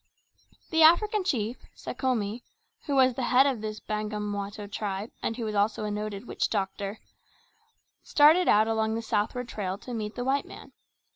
The African Chief, Sekhome who was the head of this Bamangwato tribe and who was also a noted witch doctor started out along the southward trail to meet the white man.